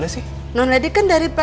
tadi lewat bunga dia